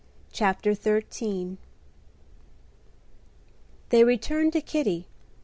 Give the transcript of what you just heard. CHAPTER XIII They returned to Kitty.